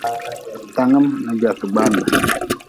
Tanngim n gwaate gbambe.